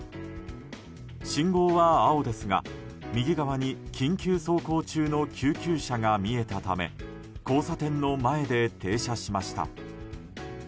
信号は青ですが右側に緊急走行中の救急車が見えたため交差点の前で停車しました。